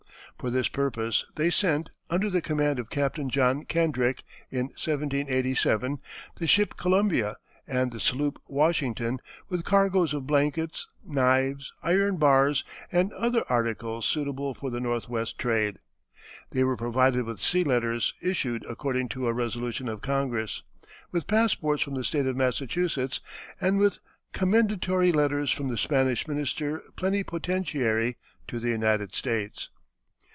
For this purpose they sent, under the command of Captain John Kendrick, in 1787, the ship Columbia and the sloop Washington with cargoes of blankets, knives, iron bars, and other articles suitable for the northwest trade. They were provided with sea letters issued according to a resolution of Congress, with passports from the State of Massachusetts, and with commendatory letters from the Spanish minister plenipotentiary to the United States.